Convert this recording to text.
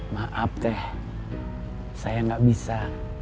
maaf teh saya gak bisa